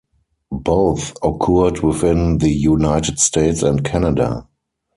Both occurred within the United States and Canada.